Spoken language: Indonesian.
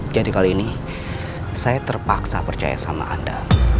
jadi kali ini saya terpaksa percaya sama anda